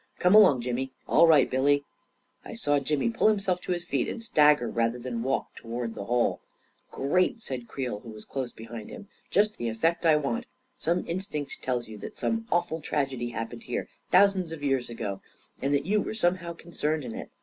Come along, Jimmy. All right, Billy I " I saw Jimmy pull himself to his feet and stagger rather than walk toward the hole. " Great !" said Creel, who was close behind him. 44 Just the effect I want 1 Some instinct tells you that some awful tragedy happened here thousands of years ago — and that you were somehow concerned in it.